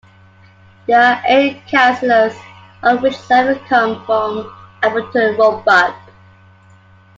There are eight councillors of which seven come from Appleton Roebuck.